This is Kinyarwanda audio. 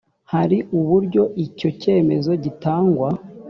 hari uburyo icyo cyemezo gitangwa